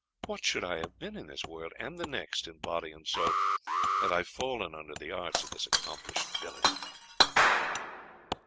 what should I have been in this world, and the next, in body and soul, had I fallen under the arts of this accomplished villain!"